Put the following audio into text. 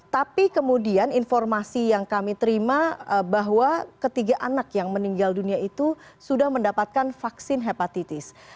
tapi kemudian informasi yang kami terima bahwa ketiga anak yang meninggal dunia itu sudah mendapatkan vaksin hepatitis